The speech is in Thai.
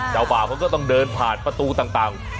บ่าวเขาก็ต้องเดินผ่านประตูต่าง